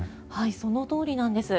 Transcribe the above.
そのとおりなんです。